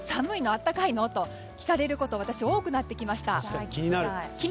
暖かいの？と聞かれることが多くなってきました。